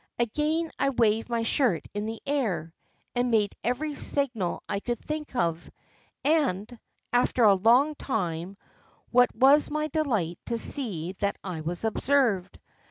Again I waved my shirt in the air, and made every signal I could think of, and, after a long time, what was my delight to see that I was observed.